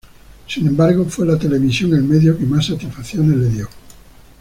Sin embargo fue la televisión el medio que más satisfacciones le dio.